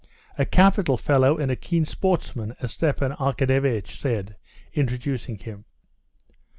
"A capital fellow, and a keen sportsman," as Stepan Arkadyevitch said, introducing him.